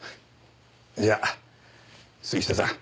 じゃあ杉下さん